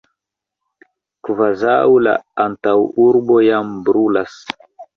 kvazaŭ la antaŭurbo jam brulas!